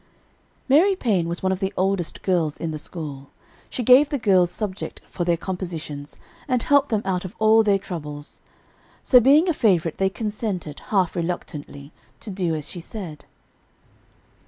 Mary Paine was one of the oldest girls in the school. She gave the girls subjects for their compositions and helped them out of all their troubles. So being a favorite they consented, half reluctantly, to do as she said.